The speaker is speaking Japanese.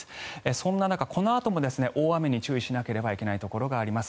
そんな中、このあとも大雨に注意しなければいけないところがあります。